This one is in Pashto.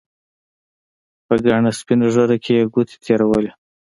په گڼه سپينه ږيره کښې يې گوتې تېرولې.